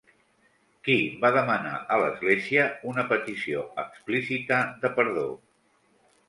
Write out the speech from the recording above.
Qui va demanar a l'Església una petició explícita de perdó?